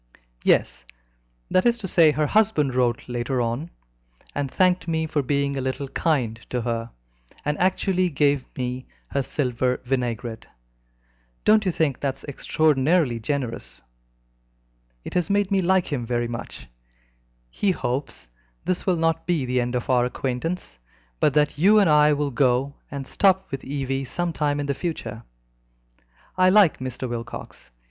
"Yes that is to say, her husband wrote later on, and thanked me for being a little kind to her, and actually gave me her silver vinaigrette. Don't you think that is extraordinarily generous? It has made me like him very much. He hopes that this will not be the end of our acquaintance, but that you and I will go and stop with Evie some time in the future. I like Mr. Wilcox.